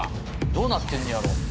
どうなってんねやろ。